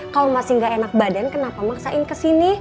kalo masih ga enak badan kenapa maksain kesini